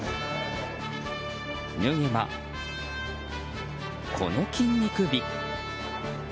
脱げばこの筋肉美！